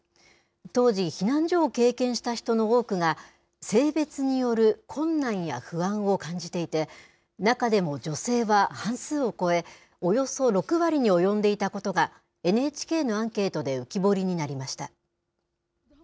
当時、避難所を経験した人の多くが、性別による困難や不安を感じていて、中でも女性は半数を超え、およそ６割に及んでいたことが、ＮＨＫのアンケートで浮き彫りになりました。